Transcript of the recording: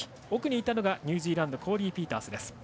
奥にいたのがニュージーランドのコーリー・ピータース。